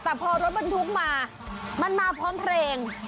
แต่พอรถบรรทุกมามันมาพร้อมเพลง